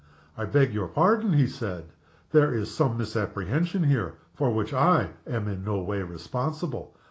"I beg your pardon," he said. "There is some misapprehension here, for which I am in no way responsible.